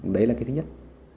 đấy là cái thứ nhất